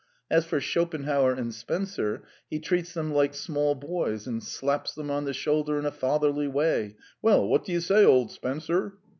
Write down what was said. ... As for Schopenhauer and Spencer, he treats them like small boys and slaps them on the shoulder in a fatherly way: 'Well, what do you say, old Spencer?'